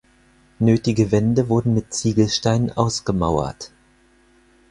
Nötige Wände wurden mit Ziegelsteinen ausgemauert.